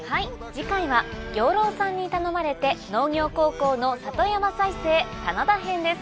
次回は養老さんに頼まれて農業高校の里山再生棚田編です。